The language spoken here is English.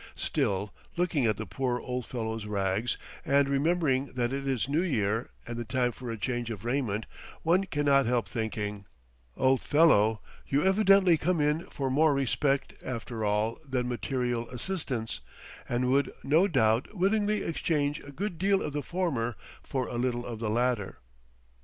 Still, looking at the poor old fellow's rags, and remembering that it is new year and the time for a change of raiment, one cannot help thinking, "Old fellow, you evidently come in for more resect, after all, than material assistance, and would, no doubt, willingly exchange a good deal of the former for a little of the latter."